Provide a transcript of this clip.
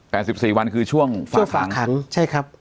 แปดสิบสี่วันคือช่วงฝากขังช่วงฝากขังใช่ครับ